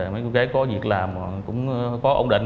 mấy cô gái có việc làm cũng không định